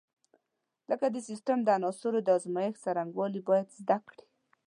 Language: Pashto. لکه د سیسټم د عناصرو د ازمېښت څرنګوالي باید زده کړي.